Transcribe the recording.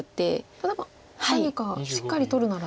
例えば何かしっかり取るなら。